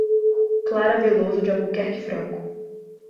Clara Veloso de Albuquerque Franco